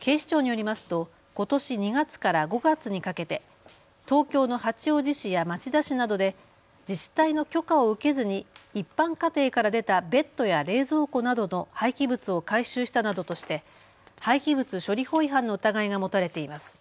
警視庁によりますとことし２月から５月にかけて東京の八王子市や町田市などで自治体の許可を受けずに一般家庭から出たベッドや冷蔵庫などの廃棄物を回収したなどとして廃棄物処理法違反の疑いが持たれています。